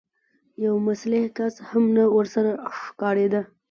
يو مسلح کس هم نه ورسره ښکارېده.